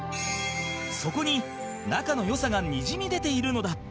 そこに仲の良さがにじみ出ているのだ